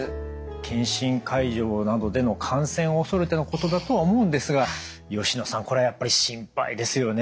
検診会場などでの感染を恐れてのことだとは思うんですが吉野さんこれはやっぱり心配ですよね。